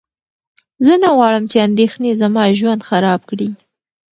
زه نه غواړم چې اندېښنې زما ژوند خراب کړي.